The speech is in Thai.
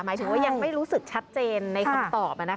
หมายถึงว่ายังไม่รู้สึกชัดเจนในคำตอบ